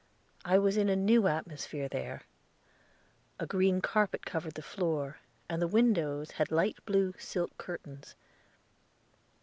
I was in a new atmosphere there. A green carpet covered the floor, and the windows had light blue silk curtains.